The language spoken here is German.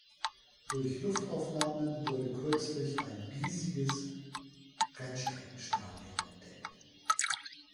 Durch Luftaufnahmen wurde kürzlich ein riesiges Rennstreckenstadium entdeckt.